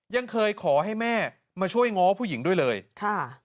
ยังเคยขอให้แม่มาช่วยง้อผู้หญิงด้วยเลยค่ะ